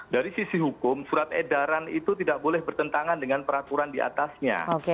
dari sisi hukum surat edaran itu tidak boleh bertentangan dengan peraturan diatasnya